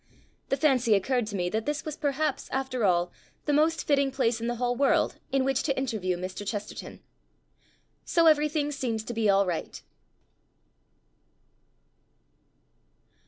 The fancy occurred to me that this was perhaps after all the most fitting place in the whole world in which to interview Mr. Chesterton. So everything seems to be all right.